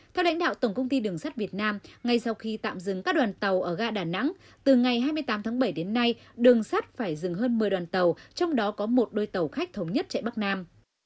theo lãnh đạo tổng công ty đường sắt việt nam ngay sau khi tạm dừng các đoàn tàu ở ga đà nẵng từ ngày hai mươi tám tháng bảy đến nay đường sắt phải dừng hơn một mươi đoàn tàu trong đó có một đôi tàu khách thống nhất chạy bắc nam